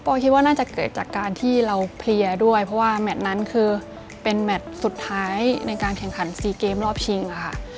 ก็คิดว่าน่าจะเกิดจากการที่เราเพลียด้วยเพราะว่าแมทนั้นคือเป็นแมทสุดท้ายในการแข่งขันซีเกมรอบชิงค่ะ